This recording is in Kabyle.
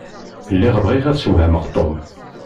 Lliɣ bɣiɣ ad sswehmeɣ Tom.